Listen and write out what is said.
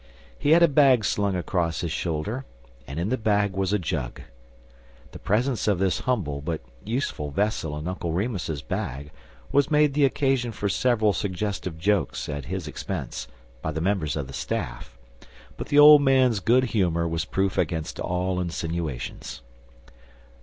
He had a bag slung across his shoulder, and in the bag was a jug. The presence of this humble but useful vessel in Uncle Remus's bag was made the occasion for several suggestive jokes at his expense by the members of the staff, but the old man's good humor was proof against all insinuations.